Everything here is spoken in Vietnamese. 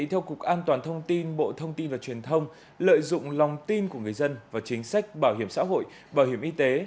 theo cục an toàn thông tin bộ thông tin và truyền thông lợi dụng lòng tin của người dân vào chính sách bảo hiểm xã hội bảo hiểm y tế